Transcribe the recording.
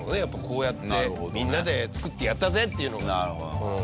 やっぱこうやってみんなで作ってやったぜっていうのが。